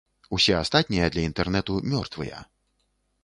Усе астатнія для інтэрнэту мёртвыя.